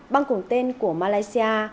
băng cùng tên của malaysia